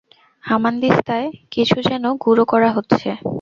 হামানদিস্তায় কিছু যেন গুড়ো করা হচ্ছে।